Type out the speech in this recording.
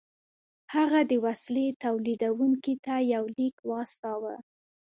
هغه د وسيلې توليدوونکي ته يو ليک واستاوه.